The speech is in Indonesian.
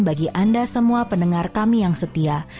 bagi anda semua pendengar kami yang setia